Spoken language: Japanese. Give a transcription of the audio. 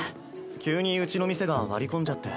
急にうちの店が割り込んじゃって。